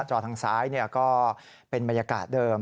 จอทางซ้ายก็เป็นบรรยากาศเดิม